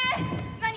何？